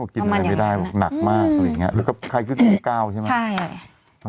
กินอะไรไม่ได้หนักมากแล้วก็คลายขึ้นสูงเกล้าใช่ไหมใช่